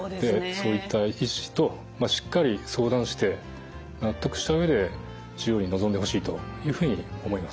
そういった医師としっかり相談して納得したうえで治療にのぞんでほしいというふうに思います。